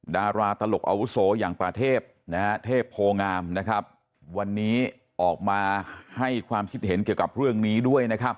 ดาราตลกอาวุโสอย่างป่าเทพทบงามวันนี้ออกมาให้ความคิดเห็นเกี่ยวกับเรื่องนี้ด้วย